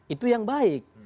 itu yang baik